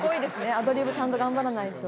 アドリブちゃんと頑張らないと。